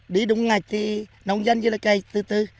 đi đúng ngày thì nông dân như là cây tư tư